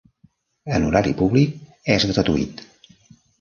En horari públic és gratuït.